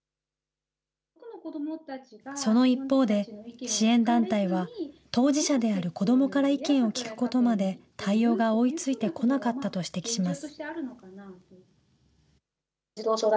その一方で、支援団体は当事者である子どもから意見を聴くことまで対応が追いついてこなかったと指摘します。